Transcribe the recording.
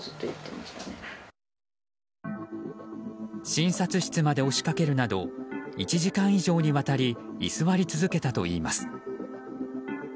診察室まで押しかけるなど１時間以上にわたり居座り続けたといいます。